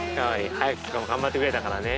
早くから頑張ってくれたからね。